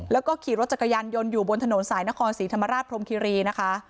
แล้วก็ขี่รถจักรยานยนต์อยู่บนถนนสายนครศรีธรรมราชพรมคิรีนะคะ